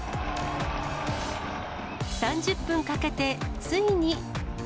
３０分かけて、ついに。